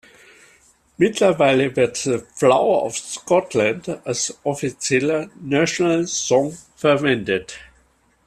Mittlerweile wird "The Flower of Scotland" als offizieller "National Song" verwendet.